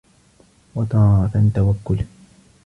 وَتَارَةً تَوَكُّلًا